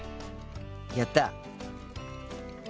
やった。